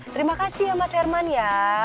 terima kasih ya mas herman ya